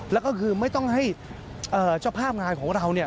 แล้วก็คือไม่ต้องให้เจ้าภาพงานของเราเนี่ย